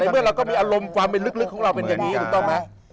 เมื่อเราก็มีอารมณ์ความเป็นลึกของเราเป็นอย่างนี้ถูกต้องไหม